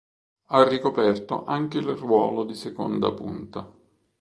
Ha ricoperto anche il ruolo di seconda punta.